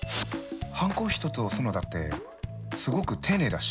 ハンコ一つ押すのだってすごく丁寧だし。